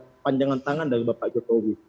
ini adalah panjangan tangan dari bapak jokowi